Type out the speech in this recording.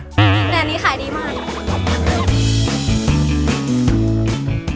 อันนี้ขายดีมาก